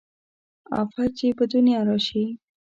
افت چې په دنيا راشي